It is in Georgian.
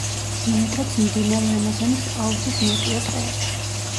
ბინადრობს მდინარე ამაზონის აუზის ნოტიო ტყეებში.